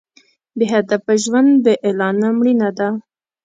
بې هدفه ژوند بې اعلانه مړینه ده.